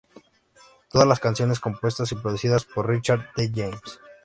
Todas las canciones compuestas y producidas por Richard D. James.